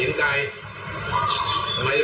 ออกมาเร็ว